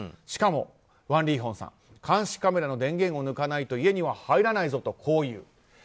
しかも、ワン・リーホンさん監視カメラの電源を抜かないと家には入らないぞと言う。